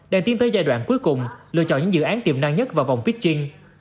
đang tiến tới giai đoạn cuối cùng lựa chọn những dự án tiềm năng nhất vào vòng pickching